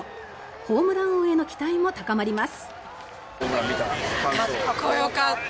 ホームラン王への期待も高まります。